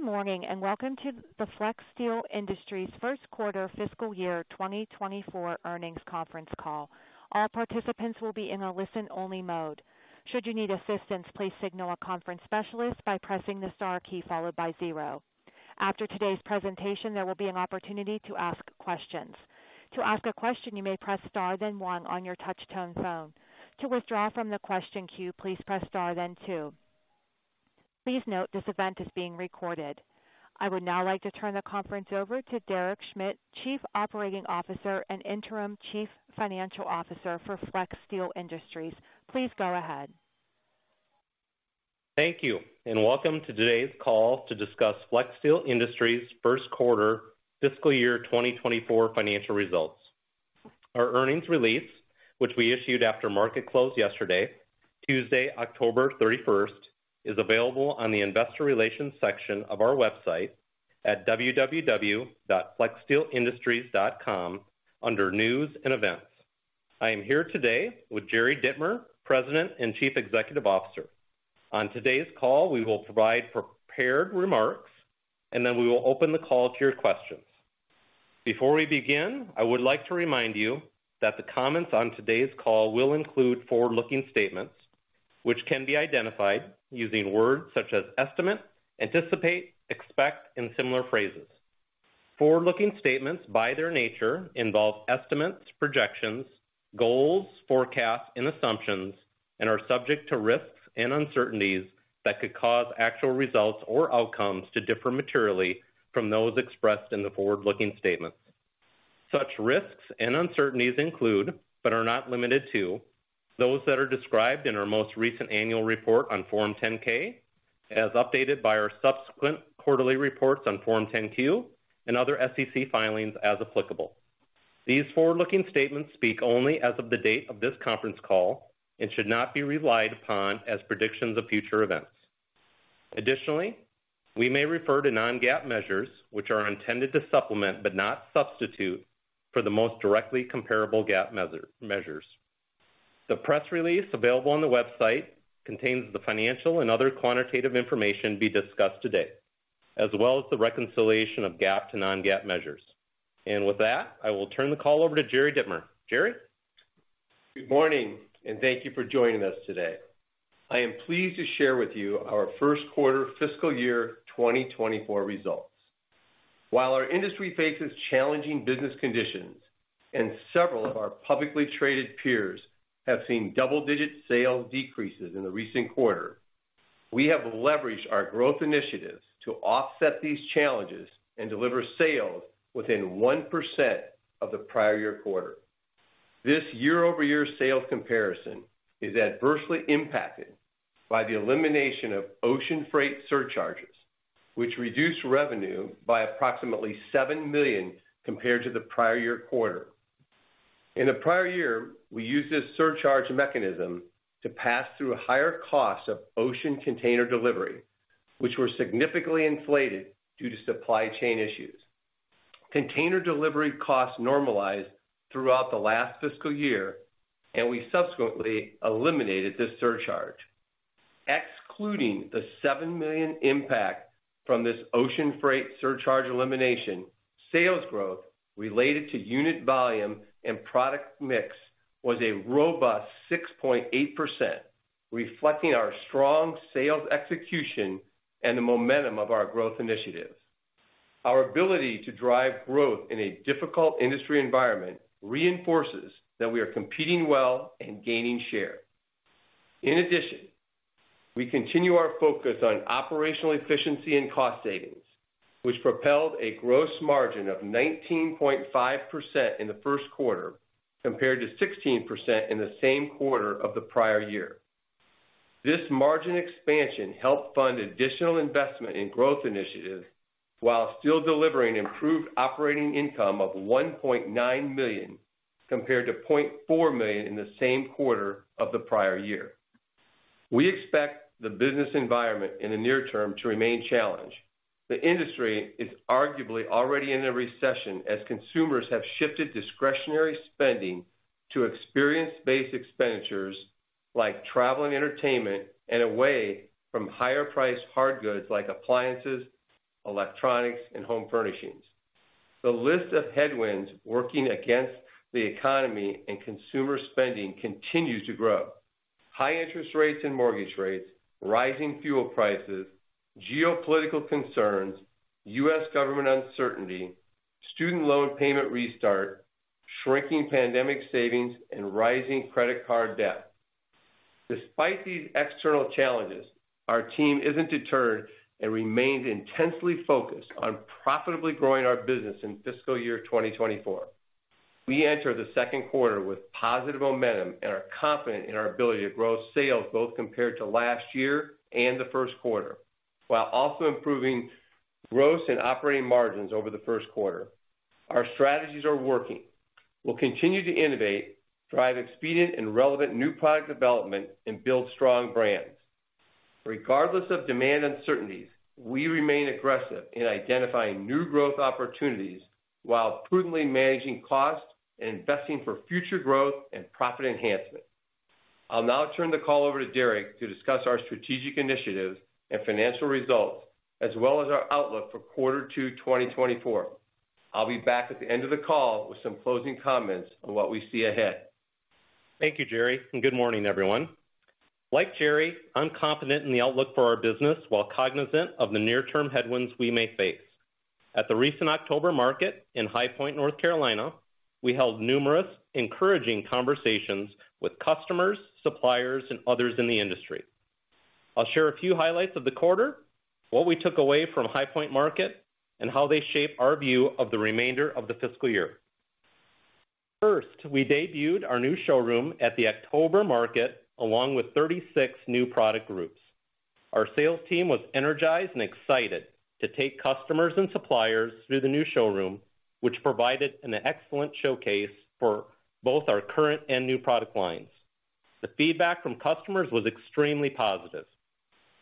Good morning, and welcome to the Flexsteel Industries first quarter fiscal year 2024 earnings conference call. All participants will be in a listen-only mode. Should you need assistance, please signal a conference specialist by pressing the star key followed by zero. After today's presentation, there will be an opportunity to ask questions. To ask a question, you may press star, then one on your touchtone phone. To withdraw from the question queue, please press star then two. Please note, this event is being recorded. I would now like to turn the conference over to Derek Schmidt, Chief Operating Officer and Interim Chief Financial Officer for Flexsteel Industries. Please go ahead. Thank you, and welcome to today's call to discuss Flexsteel Industries' first quarter fiscal year 2024 financial results. Our earnings release, which we issued after market close yesterday, Tuesday, October 31st, is available on the investor relations section of our website at www.flexsteelindustries.com under News and Events. I am here today with Jerry Dittmer, President and Chief Executive Officer. On today's call, we will provide prepared remarks, and then we will open the call to your questions. Before we begin, I would like to remind you that the comments on today's call will include forward-looking statements, which can be identified using words such as estimate, anticipate, expect, and similar phrases. Forward-looking statements, by their nature, involve estimates, projections, goals, forecasts, and assumptions, and are subject to risks and uncertainties that could cause actual results or outcomes to differ materially from those expressed in the forward-looking statements. Such risks and uncertainties include, but are not limited to, those that are described in our most recent annual report on Form 10-K, as updated by our subsequent quarterly reports on Form 10-Q and other SEC filings as applicable. These forward-looking statements speak only as of the date of this conference call and should not be relied upon as predictions of future events. Additionally, we may refer to non-GAAP measures, which are intended to supplement, but not substitute, for the most directly comparable GAAP measures. The press release available on the website contains the financial and other quantitative information to be discussed today, as well as the reconciliation of GAAP to non-GAAP measures. With that, I will turn the call over to Jerry Dittmer. Jerry? Good morning, and thank you for joining us today. I am pleased to share with you our first quarter fiscal year 2024 results. While our industry faces challenging business conditions and several of our publicly traded peers have seen double-digit sales decreases in the recent quarter, we have leveraged our growth initiatives to offset these challenges and deliver sales within 1% of the prior year quarter. This year-over-year sales comparison is adversely impacted by the elimination of ocean freight surcharges, which reduced revenue by approximately $7 million compared to the prior year quarter. In the prior year, we used this surcharge mechanism to pass through a higher cost of ocean container delivery, which were significantly inflated due to supply chain issues. Container delivery costs normalized throughout the last fiscal year, and we subsequently eliminated this surcharge. Excluding the $7 million impact from this ocean freight surcharge elimination, sales growth related to unit volume and product mix was a robust 6.8%, reflecting our strong sales execution and the momentum of our growth initiatives. Our ability to drive growth in a difficult industry environment reinforces that we are competing well and gaining share. In addition, we continue our focus on operational efficiency and cost savings, which propelled a gross margin of 19.5% in the first quarter, compared to 16% in the same quarter of the prior year. This margin expansion helped fund additional investment in growth initiatives while still delivering improved operating income of $1.9 million, compared to $0.4 million in the same quarter of the prior year. We expect the business environment in the near term to remain challenged. The industry is arguably already in a recession, as consumers have shifted discretionary spending to experience-based expenditures like travel and entertainment, and away from higher priced hard goods like appliances, electronics, and home furnishings. The list of headwinds working against the economy and consumer spending continues to grow. High interest rates and mortgage rates, rising fuel prices, geopolitical concerns, U.S. government uncertainty, student loan payment restart, shrinking pandemic savings, and rising credit card debt. Despite these external challenges, our team isn't deterred and remains intensely focused on profitably growing our business in fiscal year 2024. We enter the second quarter with positive momentum and are confident in our ability to grow sales, both compared to last year and the first quarter, while also improving gross and operating margins over the first quarter. Our strategies are working. We'll continue to innovate, drive expedient and relevant new product development, and build strong brands. Regardless of demand uncertainties, we remain aggressive in identifying new growth opportunities while prudently managing costs and investing for future growth and profit enhancement. I'll now turn the call over to Derek to discuss our strategic initiatives and financial results, as well as our outlook for quarter two, 2024. I'll be back at the end of the call with some closing comments on what we see ahead. Thank you, Jerry, and good morning, everyone. Like Jerry, I'm confident in the outlook for our business, while cognizant of the near-term headwinds we may face. At the recent October market in High Point, North Carolina, we held numerous encouraging conversations with customers, suppliers, and others in the industry. I'll share a few highlights of the quarter, what we took away from High Point Market, and how they shape our view of the remainder of the fiscal year. First, we debuted our new showroom at the October market, along with 36 new product groups. Our sales team was energized and excited to take customers and suppliers through the new showroom, which provided an excellent showcase for both our current and new product lines. The feedback from customers was extremely positive.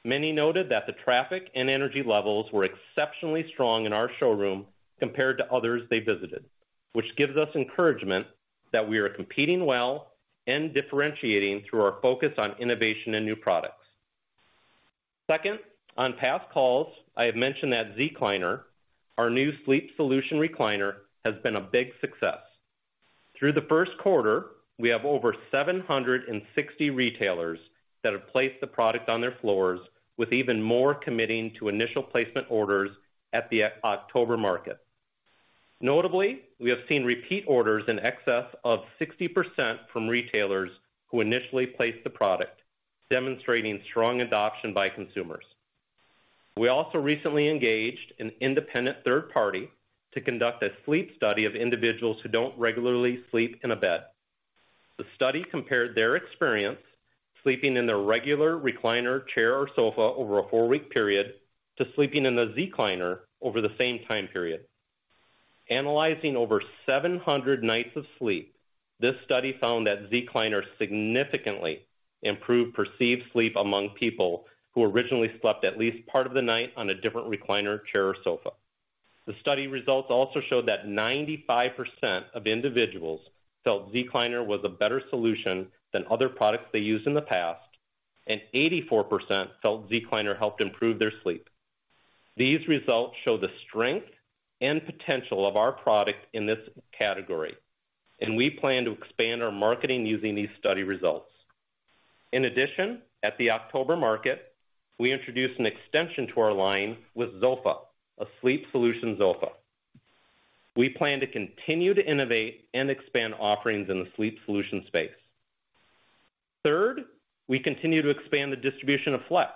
Many noted that the traffic and energy levels were exceptionally strong in our showroom compared to others they visited, which gives us encouragement that we are competing well and differentiating through our focus on innovation and new products. Second, on past calls, I have mentioned that Zecliner, our new sleep solution recliner, has been a big success. Through the first quarter, we have over 760 retailers that have placed the product on their floors, with even more committing to initial placement orders at the October market. Notably, we have seen repeat orders in excess of 60% from retailers who initially placed the product, demonstrating strong adoption by consumers. We also recently engaged an independent third party to conduct a sleep study of individuals who don't regularly sleep in a bed. The study compared their experience sleeping in their regular recliner, chair, or sofa over a four-week period, to sleeping in a Zecliner over the same time period. Analyzing over 700 nights of sleep, this study found that Zecliner significantly improved perceived sleep among people who originally slept at least part of the night on a different recliner, chair, or sofa. The study results also showed that 95% of individuals felt Zecliner was a better solution than other products they used in the past, and 84% felt Zecliner helped improve their sleep. These results show the strength and potential of our products in this category, and we plan to expand our marketing using these study results. In addition, at the October market, we introduced an extension to our line with Zofa, a sleep solution Zofa. We plan to continue to innovate and expand offerings in the sleep solution space. Third, we continue to expand the distribution of Flex,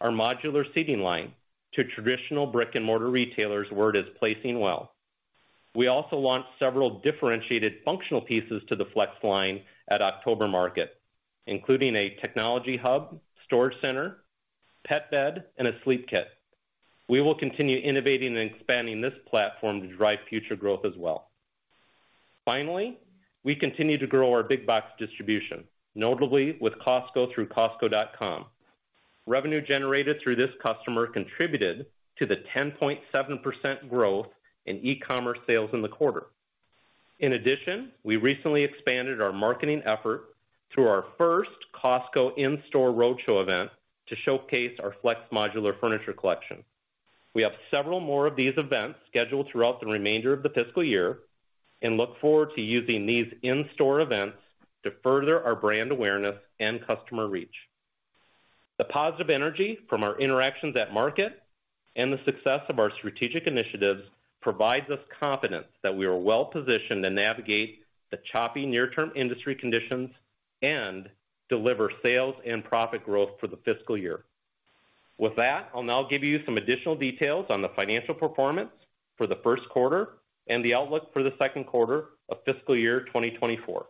our modular seating line, to traditional brick-and-mortar retailers, where it is placing well. We also launched several differentiated functional pieces to the Flex line at October market, including a technology hub, storage center, pet bed, and a sleep kit. We will continue innovating and expanding this platform to drive future growth as well. Finally, we continue to grow our big box distribution, notably with Costco through Costco.com. Revenue generated through this customer contributed to the 10.7% growth in e-commerce sales in the quarter. In addition, we recently expanded our marketing effort through our first Costco in-store roadshow event to showcase our Flex modular furniture collection. We have several more of these events scheduled throughout the remainder of the fiscal year, and look forward to using these in-store events to further our brand awareness and customer reach. The positive energy from our interactions at market and the success of our strategic initiatives provides us confidence that we are well-positioned to navigate the choppy near-term industry conditions and deliver sales and profit growth for the fiscal year. With that, I'll now give you some additional details on the financial performance for the first quarter and the outlook for the second quarter of fiscal year 2024.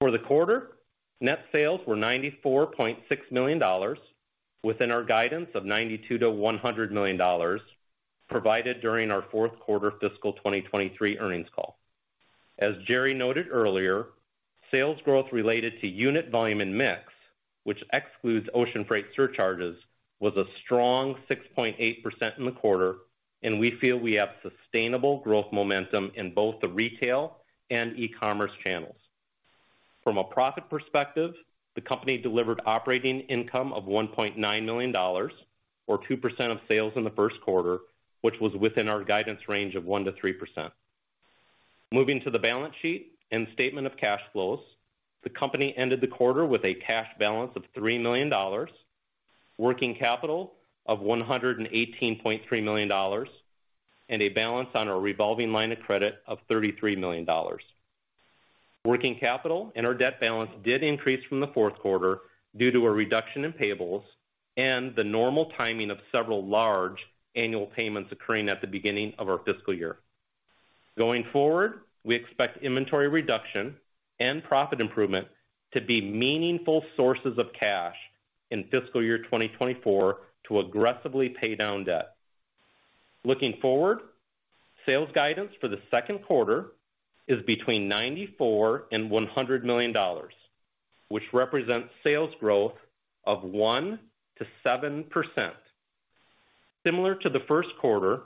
For the quarter, net sales were $94.6 million, within our guidance of $92 million-$100 million, provided during our fourth quarter fiscal 2023 earnings call. As Jerry noted earlier, sales growth related to unit volume and mix, which excludes ocean freight surcharges, was a strong 6.8% in the quarter, and we feel we have sustainable growth momentum in both the retail and e-commerce channels. From a profit perspective, the company delivered operating income of $1.9 million, or 2% of sales in the first quarter, which was within our guidance range of 1%-3%. Moving to the balance sheet and statement of cash flows, the company ended the quarter with a cash balance of $3 million, working capital of $118.3 million, and a balance on our revolving line of credit of $33 million. Working capital and our debt balance did increase from the fourth quarter due to a reduction in payables and the normal timing of several large annual payments occurring at the beginning of our fiscal year. Going forward, we expect inventory reduction and profit improvement to be meaningful sources of cash in fiscal year 2024 to aggressively pay down debt. Looking forward, sales guidance for the second quarter is between $94 million and $100 million, which represents sales growth of 1%-7%. Similar to the first quarter,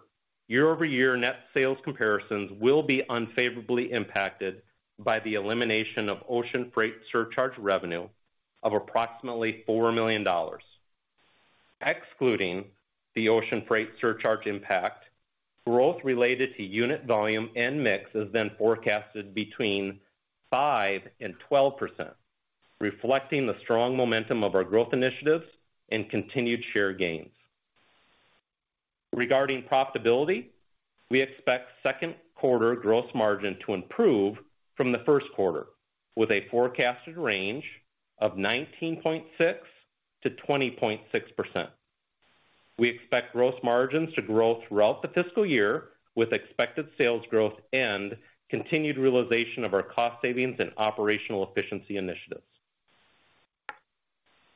year-over-year net sales comparisons will be unfavorably impacted by the elimination of ocean freight surcharge revenue of approximately $4 million. Excluding the ocean freight surcharge impact, growth related to unit volume and mix is then forecasted between 5% and 12%, reflecting the strong momentum of our growth initiatives and continued share gains. Regarding profitability, we expect second quarter gross margin to improve from the first quarter, with a forecasted range of 19.6%-20.6%. We expect gross margins to grow throughout the fiscal year, with expected sales growth and continued realization of our cost savings and operational efficiency initiatives.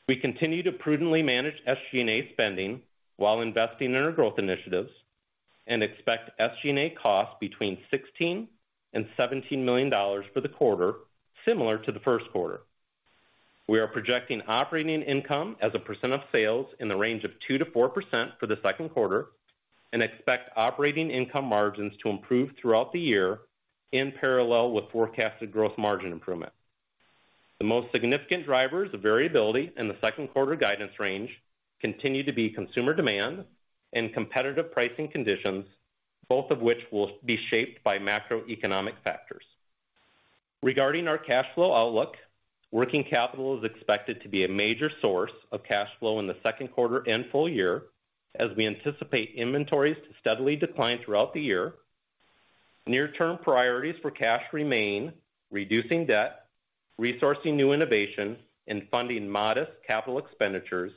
We continue to prudently manage SG&A spending while investing in our growth initiatives and expect SG&A costs between $16 million and $17 million for the quarter, similar to the first quarter. We are projecting operating income as a percent of sales in the range of 2%-4% for the second quarter and expect operating income margins to improve throughout the year in parallel with forecasted gross margin improvement. The most significant drivers of variability in the second quarter guidance range continue to be consumer demand and competitive pricing conditions, both of which will be shaped by macroeconomic factors. Regarding our cash flow outlook, working capital is expected to be a major source of cash flow in the second quarter and full year, as we anticipate inventories to steadily decline throughout the year. Near-term priorities for cash remain reducing debt, resourcing new innovations, and funding modest capital expenditures,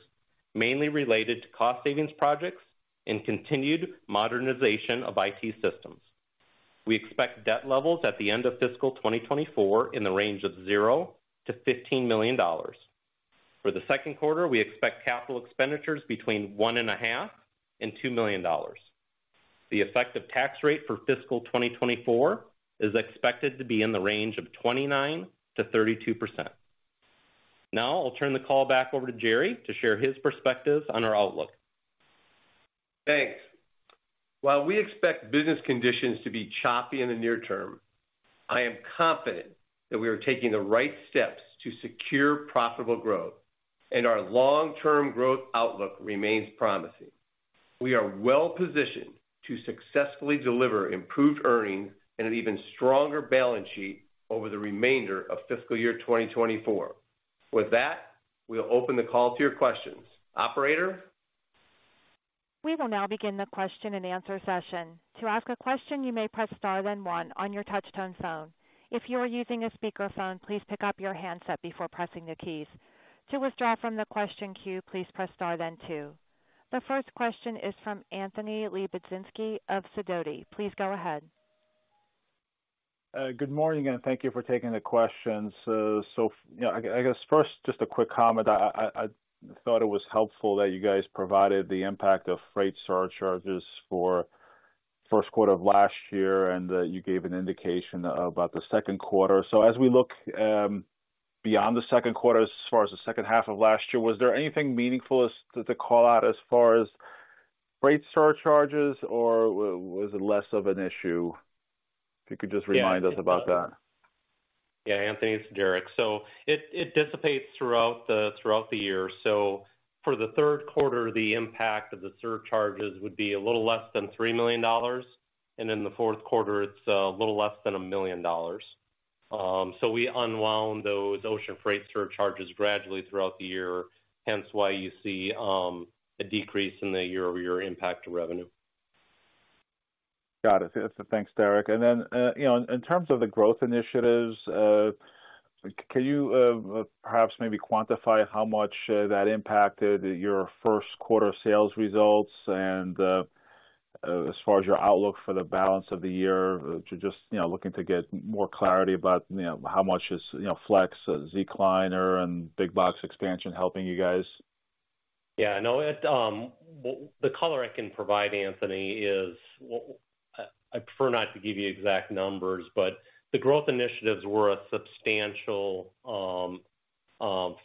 mainly related to cost savings projects and continued modernization of IT systems. We expect debt levels at the end of fiscal 2024 in the range of $0 million-$15 million. For the second quarter, we expect capital expenditures between $1.5 million-$2 million. The effective tax rate for fiscal 2024 is expected to be in the range of 29%-32%.Now I'll turn the call back over to Jerry to share his perspectives on our outlook. Thanks. While we expect business conditions to be choppy in the near term, I am confident that we are taking the right steps to secure profitable growth, and our long-term growth outlook remains promising. We are well positioned to successfully deliver improved earnings and an even stronger balance sheet over the remainder of fiscal year 2024. With that, we'll open the call to your questions. Operator? We will now begin the question-and-answer session. To ask a question, you may press star, then one on your touchtone phone. If you are using a speakerphone, please pick up your handset before pressing the keys. To withdraw from the question queue, please press star then two. The first question is from Anthony Lebiedzinski of Sidoti. Please go ahead. Good morning, and thank you for taking the questions. So, you know, I thought it was helpful that you guys provided the impact of freight surcharges for first quarter of last year, and that you gave an indication about the second quarter. So as we look beyond the second quarter, as far as the second half of last year, was there anything meaningful as to call out as far as freight surcharges, or was it less of an issue? If you could just remind us about that. Yeah, Anthony, it's Derek. So it dissipates throughout the year. So for the third quarter, the impact of the surcharges would be a little less than $3 million, and in the fourth quarter, it's a little less than $1 million. So we unwind those ocean freight surcharges gradually throughout the year, hence why you see a decrease in the year-over-year impact to revenue. Got it. Thanks, Derek. And then, you know, in terms of the growth initiatives, can you perhaps maybe quantify how much that impacted your first quarter sales results and, as far as your outlook for the balance of the year, just, you know, looking to get more clarity about, you know, how much is, you know, Flex, Zecliner, and big box expansion helping you guys? Yeah, I know it, the color I can provide, Anthony, is, I prefer not to give you exact numbers, but the growth initiatives were a substantial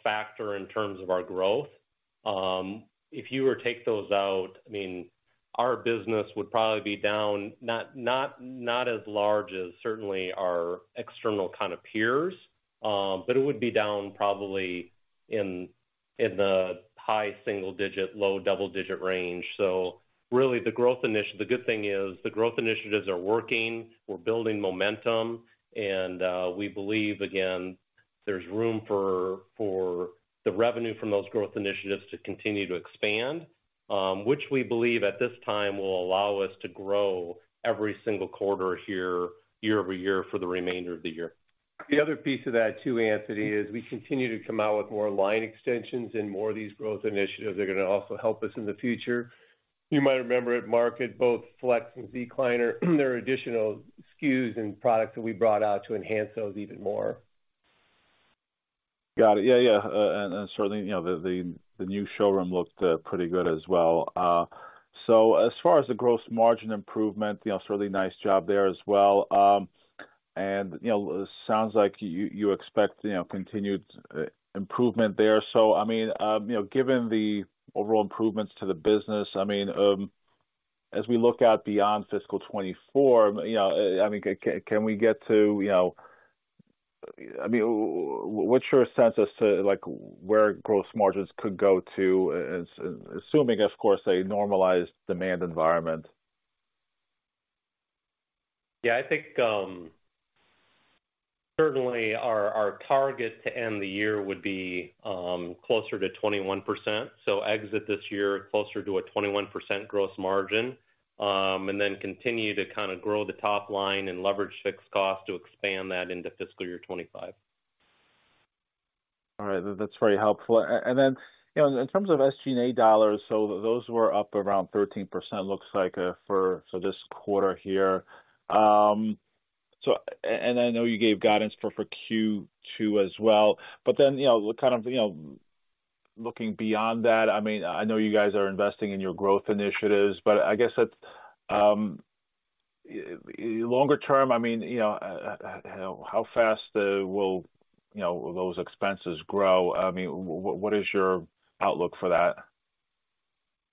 factor in terms of our growth. If you were to take those out, I mean, our business would probably be down, not as large as certainly our external kind of peers, but it would be down probably in the high single digit, low double digit range. So really, the growth initiative, the good thing is, the growth initiatives are working. We're building momentum, and we believe, again, there's room for the revenue from those growth initiatives to continue to expand, which we believe at this time will allow us to grow every single quarter here, year-over-year, for the remainder of the year. The other piece of that too, Anthony, is we continue to come out with more line extensions and more of these growth initiatives are gonna also help us in the future. You might remember at market, both Flex and Zecliner, there are additional SKUs and products that we brought out to enhance those even more. Got it. Yeah, yeah. And certainly, you know, the new showroom looked pretty good as well. So as far as the gross margin improvement, you know, certainly nice job there as well. And, you know, it sounds like you expect, you know, continued improvement there. So I mean, you know, given the overall improvements to the business, I mean, as we look out beyond fiscal 2024, you know, I mean, can we get to, you know, I mean, what's your sense as to, like, where gross margins could go to, assuming, of course, a normalized demand environment? Yeah, I think certainly our target to end the year would be closer to 21%. So exit this year closer to a 21% gross margin, and then continue to kind of grow the top line and leverage fixed cost to expand that into fiscal year 2025. All right. That's very helpful. And then, you know, in terms of SG&A dollars, so those were up around 13%, looks like, for so this quarter here. So and I know you gave guidance for Q2 as well. But then, you know, kind of, you know, looking beyond that, I mean, I know you guys are investing in your growth initiatives, but I guess it longer term, I mean, you know, how fast will, you know, those expenses grow? I mean, what is your outlook for that?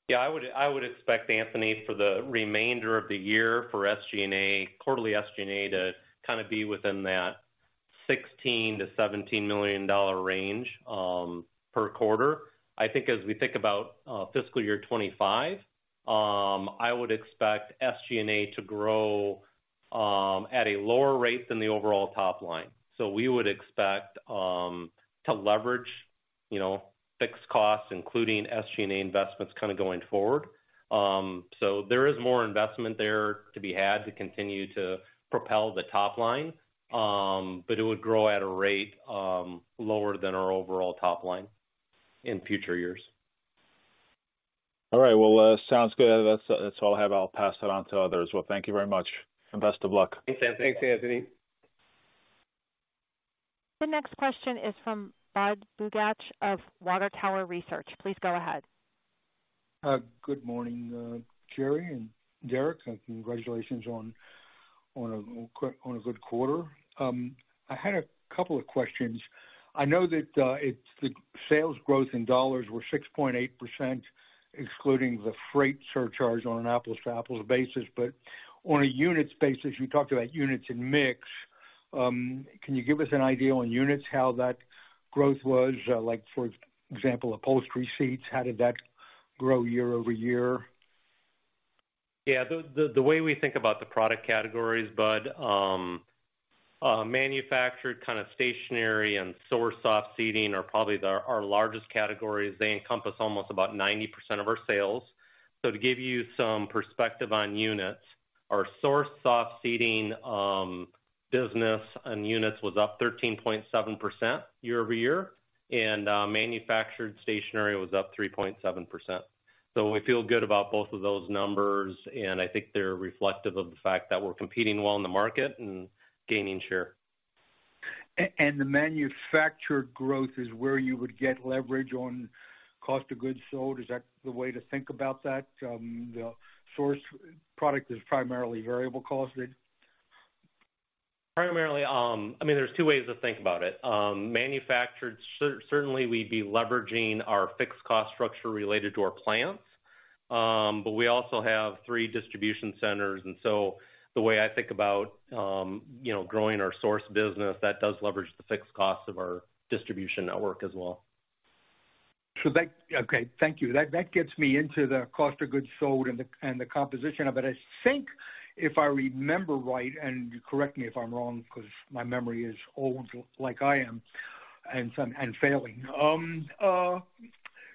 Yeah, I would, I would expect, Anthony, for the remainder of the year for SG&A, quarterly SG&A to kind of be within that $16 million-$17 million range per quarter. I think as we think about fiscal year 2025, I would expect SG&A to grow at a lower rate than the overall top line. So we would expect to leverage, you know, fixed costs, including SG&A investments, kind of going forward. So there is more investment there to be had to continue to propel the top line, but it would grow at a rate lower than our overall top line in future years. All right. Well, sounds good. That's all I have. I'll pass it on to others. Well, thank you very much, and best of luck. Thanks, Anthony. The next question is from Budd Bugatch of Water Tower Research. Please go ahead. Good morning, Jerry and Derek, and congratulations on a good quarter. I had a couple of questions. I know that, it's the sales growth in dollars were 6.8%, excluding the freight surcharge on an apples-to-apples basis, but on a units basis, you talked about units and mix. Can you give us an idea on units, how that growth was? Like, for example, upholstery seats, how did that grow year-over-year? Yeah, the way we think about the product categories, Bud, manufactured, kind of stationary and sourced soft seating are probably our largest categories. They encompass almost about 90% of our sales. So to give you some perspective on units, our sourced soft seating business and units was up 13.7% year-over-year, and manufactured stationary was up 3.7%. So we feel good about both of those numbers, and I think they're reflective of the fact that we're competing well in the market and gaining share. And the manufactured growth is where you would get leverage on cost of goods sold. Is that the way to think about that? The sourced product is primarily variable costing. Primarily, I mean, there's two ways to think about it. Certainly we'd be leveraging our fixed cost structure related to our plants, but we also have three distribution centers, and so the way I think about, you know, growing our sourced business, that does leverage the fixed costs of our distribution network as well. Okay, thank you. That gets me into the cost of goods sold and the composition of it. I think, if I remember right, and correct me if I'm wrong, because my memory is old, like I am, and failing.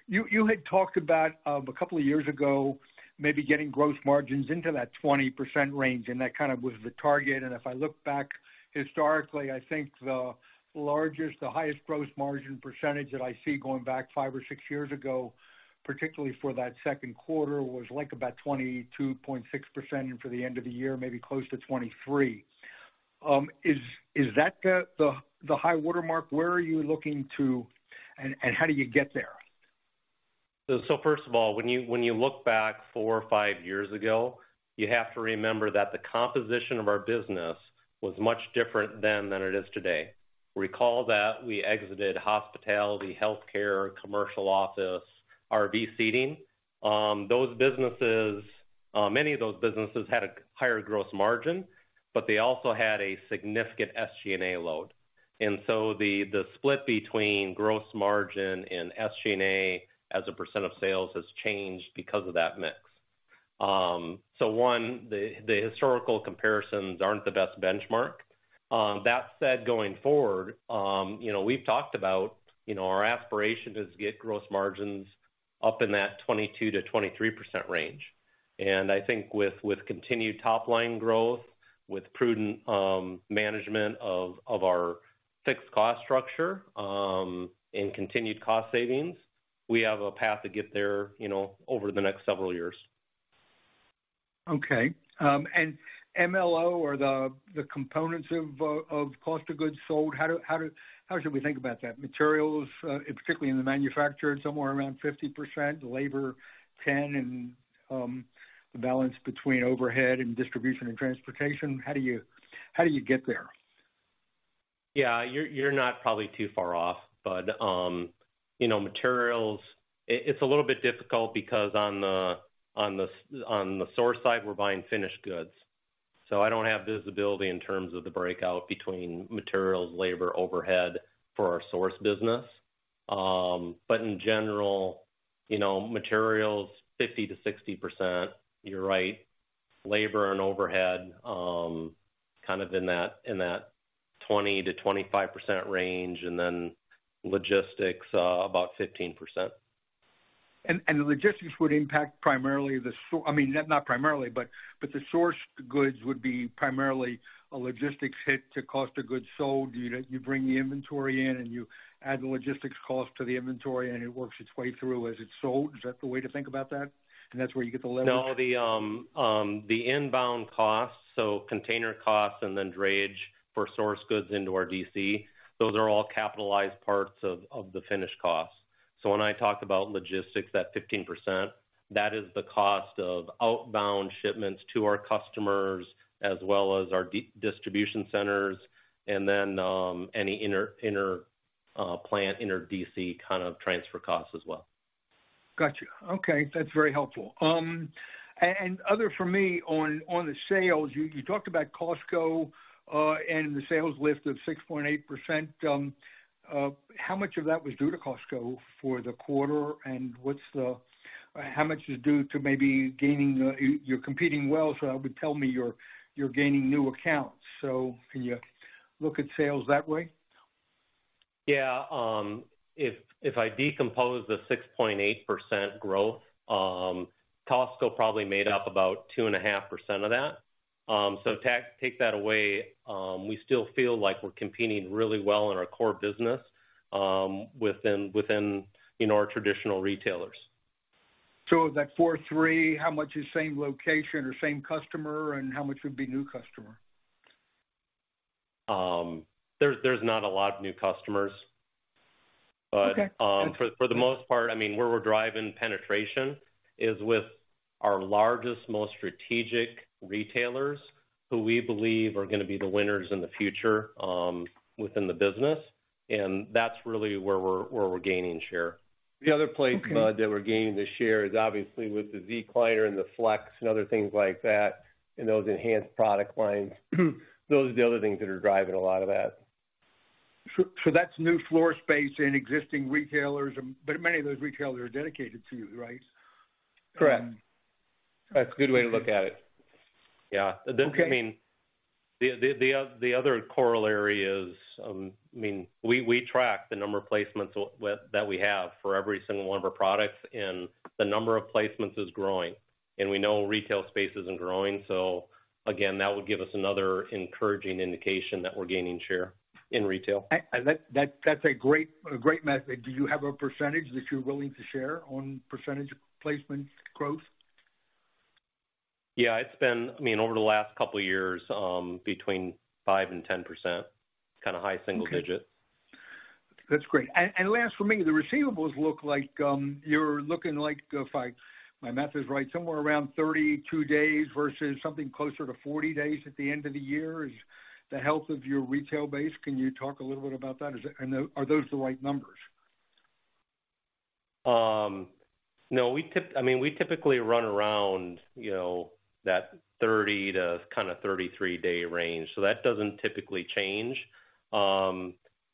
You had talked about a couple of years ago, maybe getting gross margins into that 20% range, and that kind of was the target. And if I look back historically, I think the largest, the highest gross margin percentage that I see going back five or six years ago, particularly for that second quarter, was, like, about 22.6%, and for the end of the year, maybe close to 23%. Is that the high water mark? Where are you looking to, and how do you get there? So first of all, when you look back four or five years ago, you have to remember that the composition of our business was much different then than it is today. Recall that we exited hospitality, healthcare, commercial office, RV seating. Those businesses, many of those businesses had a higher gross margin, but they also had a significant SG&A load. And so the split between gross margin and SG&A as a percent of sales has changed because of that mix. So the historical comparisons aren't the best benchmark. That said, going forward, you know, we've talked about, you know, our aspiration is to get gross margins up in that 22%-23% range. I think with continued top-line growth, with prudent management of our fixed cost structure, and continued cost savings, we have a path to get there, you know, over the next several years. Okay. And MLO or the components of cost of goods sold, how should we think about that? Materials, particularly in the manufactured, somewhere around 50%, labor 10%, and the balance between overhead and distribution and transportation. How do you get there? Yeah, you're not probably too far off, but, you know, materials, it's a little bit difficult because on the sourced side, we're buying finished goods, so I don't have visibility in terms of the breakout between materials, labor, overhead for our sourced business. But in general, you know, materials, 50%-60%, you're right. Labor and overhead, kind of in that 20%-25% range, and then logistics, about 15%. And the logistics would impact primarily. I mean, not primarily, but the sourced goods would be primarily a logistics hit to cost of goods sold. You bring the inventory in, and you add the logistics cost to the inventory, and it works its way through as it's sold. Is that the way to think about that? And that's where you get the leverage. No, the inbound costs, so container costs and then drayage for sourced goods into our DC, those are all capitalized parts of the finished costs. So when I talk about logistics, that 15%, that is the cost of outbound shipments to our customers as well as our distribution centers, and then any inter-plant, inter-DC kind of transfer costs as well. Gotcha. Okay, that's very helpful. Another for me on the sales, you talked about Costco, and the sales lift of 6.8%. How much of that was due to Costco for the quarter, and what's the, how much is due to maybe gaining... You're competing well, so that would tell me you're gaining new accounts, so can you look at sales that way? Yeah. If I decompose the 6.8% growth, Costco probably made up about 2.5% of that. So take that away, we still feel like we're competing really well in our core business, within, you know, our traditional retailers. Of that 4, 3, how much is same location or same customer, and how much would be new customer? There's not a lot of new customers. Okay. For the most part, I mean, where we're driving penetration is with our largest, most strategic retailers who we believe are gonna be the winners in the future, within the business, and that's really where we're gaining share. Okay. The other place that we're gaining the share is obviously with the Zecliner and the Flex and other things like that, and those enhanced product lines. Those are the other things that are driving a lot of that. So, so that's new floor space in existing retailers, but many of those retailers are dedicated to you, right? Correct. That's a good way to look at it. Yeah. Okay. I mean, the other corollary is, I mean, we track the number of placements that we have for every single one of our products, and the number of placements is growing, and we know retail space isn't growing. So again, that would give us another encouraging indication that we're gaining share in retail. That's a great metric. Do you have a percentage that you're willing to share on percentage placement growth? Yeah, it's been, I mean, over the last couple of years, between 5% and 10%, kind of high single-digit. Okay. That's great. And last for me, the receivables look like you're looking like, if my math is right, somewhere around 32 days versus something closer to 40 days at the end of the year. Is the health of your retail base, can you talk a little bit about that? Is that, and are those the right numbers? No, we typically run around, you know, that 30- to kind of 33-day range, so that doesn't typically change.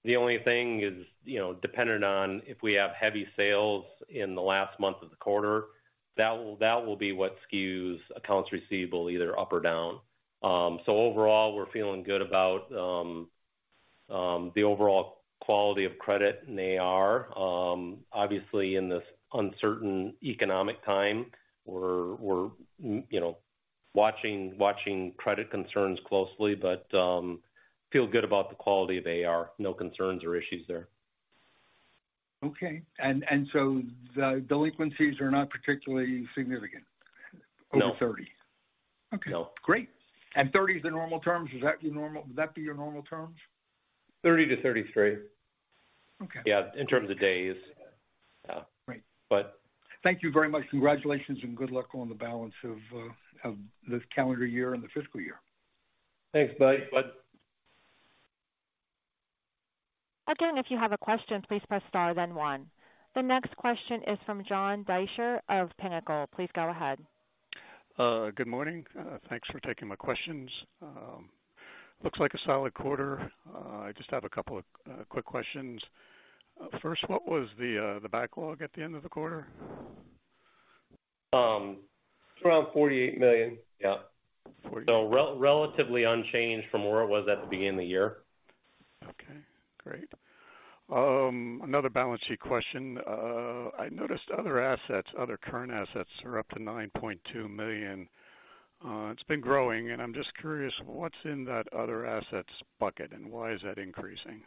The only thing is, you know, dependent on if we have heavy sales in the last month of the quarter, that will, that will be what skews accounts receivable either up or down. So overall, we're feeling good about the overall quality of credit, and they are obviously, in this uncertain economic time, we're, we're you know, watching, watching credit concerns closely, but feel good about the quality of AR. No concerns or issues there. Okay. And so the delinquencies are not particularly significant? No. Over 30. Okay. No. Great. And 30 is the normal terms? Would that be your normal terms? 30-33. Okay. Yeah, in terms of days. Yeah. Great. But- Thank you very much. Congratulations, and good luck on the balance of this calendar year and the fiscal year. Thanks, Budd. Bye. Again, if you have a question, please press star, then one. The next question is from John Deysher of Pinnacle. Please go ahead. Good morning. Thanks for taking my questions. Looks like a solid quarter. I just have a couple of quick questions. First, what was the backlog at the end of the quarter? Around $48 million. Yeah. So relatively unchanged from where it was at the beginning of the year. Okay, great. Another balance sheet question. I noticed other assets, other current assets are up to $9.2 million. It's been growing, and I'm just curious, what's in that other assets bucket, and why is that increasing?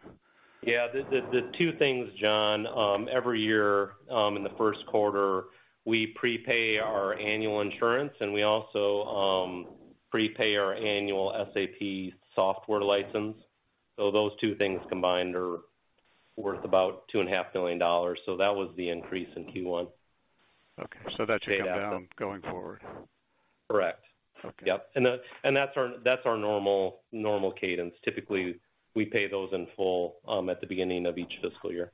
Yeah, the two things, John. Every year, in the first quarter, we prepay our annual insurance, and we also prepay our annual SAP software license. So those two things combined are worth about $2.5 million. So that was the increase in Q1. Okay, so that should come down going forward? Correct. Okay. Yep, and that's our normal cadence. Typically, we pay those in full at the beginning of each fiscal year.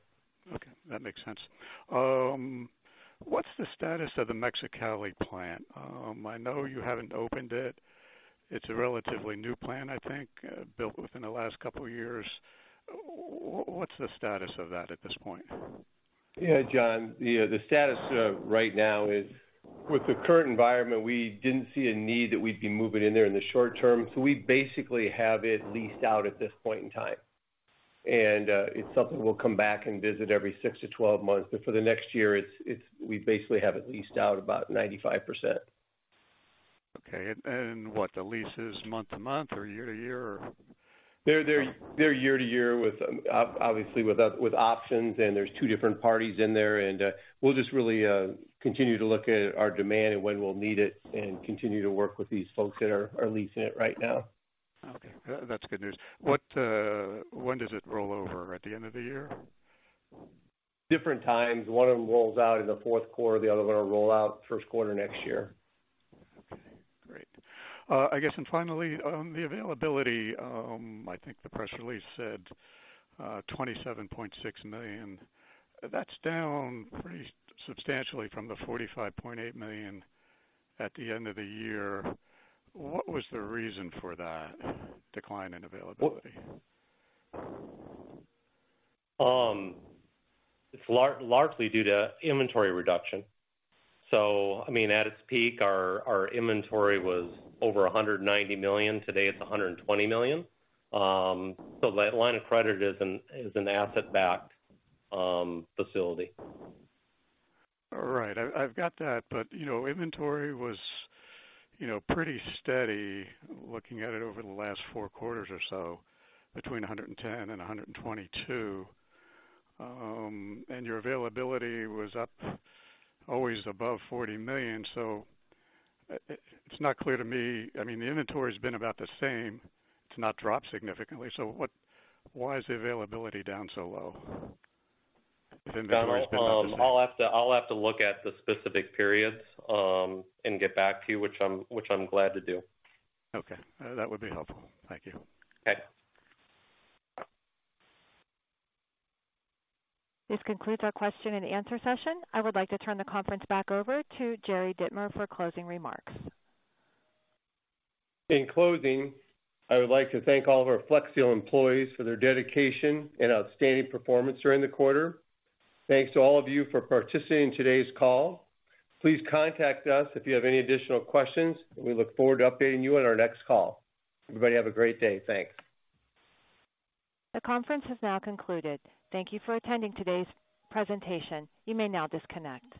Okay, that makes sense. What's the status of the Mexicali plant? I know you haven't opened it. It's a relatively new plant, I think, built within the last couple of years. What's the status of that at this point? Yeah, John, the status right now is with the current environment, we didn't see a need that we'd be moving in there in the short term, so we basically have it leased out at this point in time. And it's something we'll come back and visit every 6-12 months. But for the next year, it's it -- we basically have it leased out about 95%. Okay. And what, the lease is month to month or year to year, or? They're year-to-year with, obviously, with options, and there's two different parties in there. And we'll just really continue to look at our demand and when we'll need it and continue to work with these folks that are leasing it right now. Okay, that's good news. What... When does it roll over? At the end of the year? Different times. One of them rolls out in the fourth quarter, the other one will roll out first quarter next year. Okay, great. I guess, and finally, on the availability, I think the press release said, $27.6 million. That's down pretty substantially from the $45.8 million at the end of the year. What was the reason for that decline in availability? It's largely due to inventory reduction. So, I mean, at its peak, our inventory was over $190 million. Today, it's $120 million. So that line of credit is an asset-backed facility. All right, I've got that. But, you know, inventory was, you know, pretty steady, looking at it over the last four quarters or so, between $110 million and $122 million. And your availability was up, always above $40 million. So it's not clear to me. I mean, the inventory's been about the same. It's not dropped significantly. So why is the availability down so low if inventory's been about the same? I'll have to look at the specific periods and get back to you, which I'm glad to do. Okay. That would be helpful. Thank you. Okay. This concludes our question and answer session. I would like to turn the conference back over to Jerry Dittmer for closing remarks. In closing, I would like to thank all of our Flexsteel employees for their dedication and outstanding performance during the quarter. Thanks to all of you for participating in today's call. Please contact us if you have any additional questions, and we look forward to updating you on our next call. Everybody, have a great day. Thanks. The conference has now concluded. Thank you for attending today's presentation. You may now disconnect.